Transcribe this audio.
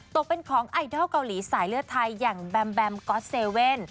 ตกเป็นของไอดอลเกาหลีสายเลือดไทยอย่างแบมแบมก๊อตเซเว่น